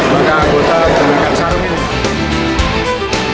maka anggota kenaikan sarung ini